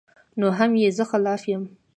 نو هم ئې زۀ خلاف يم